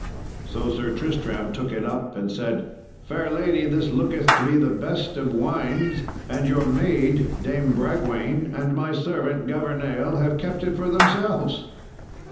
So Sir Tristram took it up, and said, "Fair lady, this looketh to be the best of wines, and your maid, Dame Bragwaine, and my servant, Governale, have kept it for themselves."